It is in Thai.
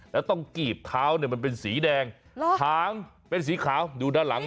แล้วต้องกีบเท้าเนี่ยมันเป็นสีแดงหางเป็นสีขาวดูด้านหลัง